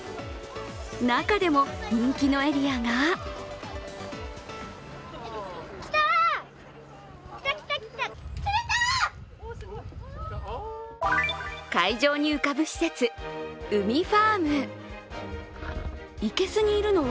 中でも人気のエリアが海上に浮かぶ施設うみファーム。